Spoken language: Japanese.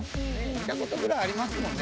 見た事ぐらいありますもんね